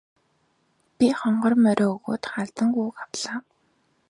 Би хонгор морио өгөөд халзан гүүг авлаа.